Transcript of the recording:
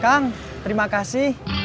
kang terima kasih